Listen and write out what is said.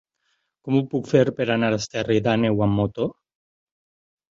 Com ho puc fer per anar a Esterri d'Àneu amb moto?